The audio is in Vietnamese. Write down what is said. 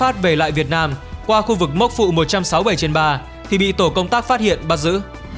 tùng xuất phát về lại việt nam qua khu vực mốc phụ một trăm sáu mươi bảy trên ba thì bị tổ công tác phát hiện bắt giữ